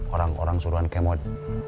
orang orang suruhan kemod